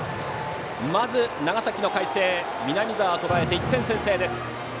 まず長崎の海星南澤とらえて１点先制です。